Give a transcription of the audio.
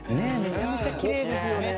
めちゃめちゃキレイですよね